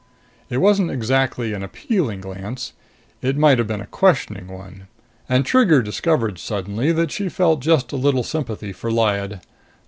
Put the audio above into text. It wasn't exactly an appealing glance. It might have been a questioning one. And Trigger discovered suddenly that she felt just a little sympathy for Lyad.